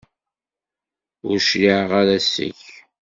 Ur cliɛeɣ ara seg-k.